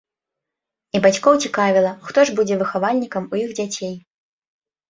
І бацькоў цікавіла, хто ж будзе выхавальнікам у іх дзяцей.